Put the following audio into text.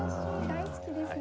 大好きですね。